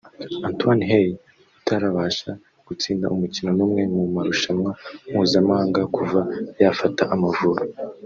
Antoine Hey utarabasha gutsinda umukino n’umwe mu marushanwa mpuzamahanga kuva yafata Amavubi